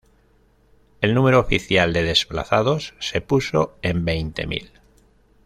El número oficial de desplazados se puso en veinte mil.